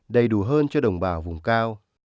đầy đủ hơn cho đồng bào vùng cao